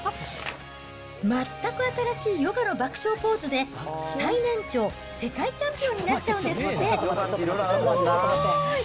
全く新しいヨガの爆笑ポーズで、最年長世界チャンピオンになっちゃうんですって、すごーい！